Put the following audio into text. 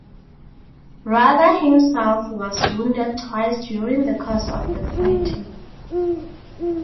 Rudder himself was wounded twice during the course of the fighting.